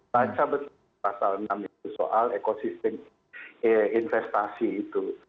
baca betul pasal enam itu soal ekosistem investasi itu